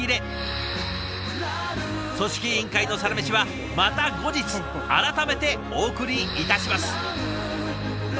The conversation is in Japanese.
組織委員会のサラメシはまた後日改めてお送りいたします。